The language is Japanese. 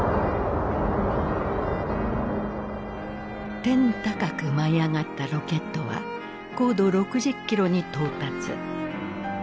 天高く舞い上がったロケットは高度６０キロに到達。